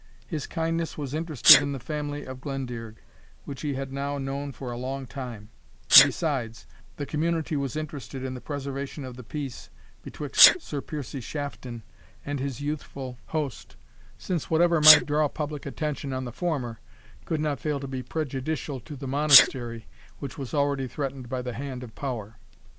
His kindness was interested in the family of Glendearg, which he had now known for a long time; and besides, the community was interested in the preservation of the peace betwixt Sir Piercie Shafton and his youthful host, since whatever might draw public attention on the former, could not fail to be prejudicial to the Monastery, which was already threatened by the hand of power.